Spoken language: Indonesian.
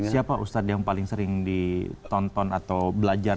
siapa ustadz yang paling sering ditonton atau belajar